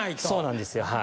そうなんですよ。